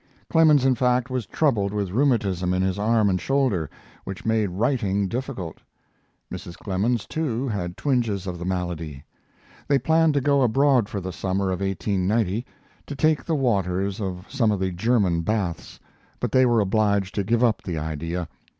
Clemens, in fact, was troubled with rheumatism in his arm and shoulder, which made writing difficult. Mrs. Clemens, too, had twinges of the malady. They planned to go abroad for the summer of 1890, to take the waters of some of the German baths, but they were obliged to give up the idea.